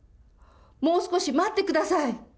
もう少し待ってください。